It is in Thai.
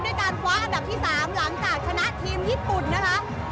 ด้วยการคว้าอันดับที่๓หลังจากชนะทีมญี่ปุ่นนะคะ